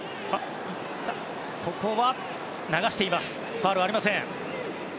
ファウルはありません。